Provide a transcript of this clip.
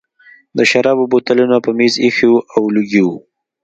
د شرابو بوتلونه په مېز ایښي وو او لوګي وو